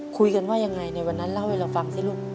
คุยกันว่ายังไงในวันนั้นเล่าให้เราฟังสิลูก